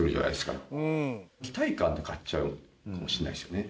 期待感で買っちゃうのかもしれないですよね。